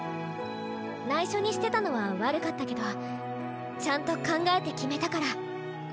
ないしょにしてたのは悪かったけどちゃんと考えて決めたから。